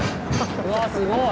うわすごい。